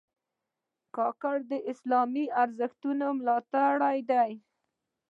کاکړ د اسلامي ارزښتونو ملاتړي دي.